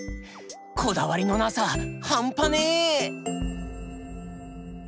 こだわりのなさ半端ねえ！